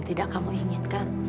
tidak kamu inginkan